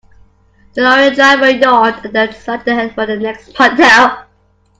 The lorry driver yawned and decided to head for the next motel.